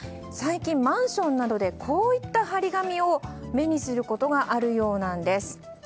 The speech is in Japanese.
最近、マンションなどでこういった貼り紙を目にすることがあるようなんです。